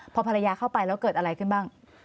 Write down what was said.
พอภรรยาเข้าไปแล้วเกิดอะไรขึ้นบ้าง